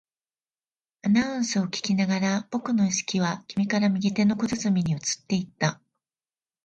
アナウンスを聞きながら、僕の意識は君から右手の小包に移っていった